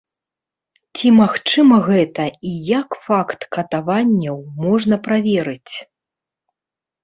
Ці магчыма гэта і як факт катаванняў можна праверыць?